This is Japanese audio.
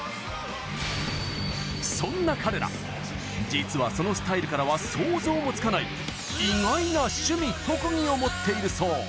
そんな彼ら実は、そのスタイルからは想像もつかない意外な趣味・特技を持っているそう。